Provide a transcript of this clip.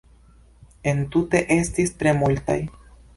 Entute estis tre multaj.